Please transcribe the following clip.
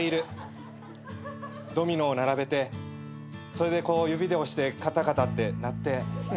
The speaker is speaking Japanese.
ドミノを並べてそれでこう指で押してカタカタってなって。